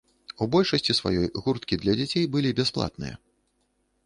У большасці сваёй гурткі для дзяцей былі бясплатныя.